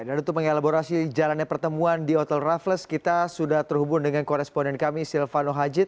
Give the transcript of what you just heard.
dan untuk mengelaborasi jalannya pertemuan di hotel raffles kita sudah terhubung dengan koresponen kami silvano hajid